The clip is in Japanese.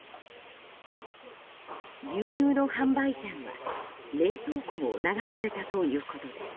牛乳の販売店は、冷凍庫も流されたということです。